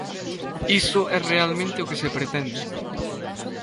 Iso é realmente o que se pretende.